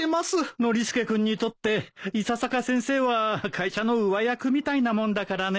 ノリスケ君にとって伊佐坂先生は会社の上役みたいなもんだからね。